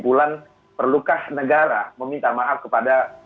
buktikan secara hukum benar atau tidak